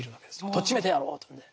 とっちめてやろうというんで。